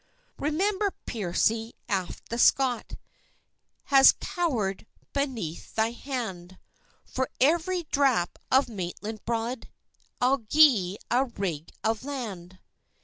"Remember, Piercy, aft the Scot Has cower'd beneath thy hand; For every drap of Maitland blood, I'll gi'e a rig of land."